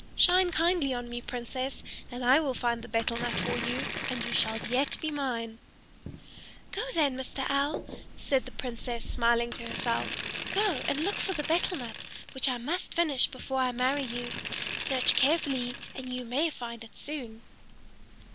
Shine kindly on me, Princess, and I will find the betel nut for you, and you shall yet be mine." "Go then, Mr. Owl," said the Princess, smiling to herself. "Go and look for the betel nut which I must finish before I marry you. Search carefully and you may find it soon."